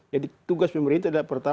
jadi tugas pemerintah adalah pertama